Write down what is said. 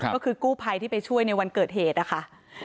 ก็คือกู้ภัยที่ไปช่วยในวันเกิดเหตุนะคะ